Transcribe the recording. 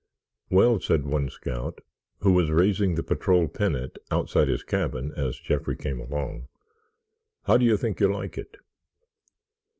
"Well," said one scout, who was raising the patrol pennant outside his cabin as Jeffrey came along, "how do you think you like it?"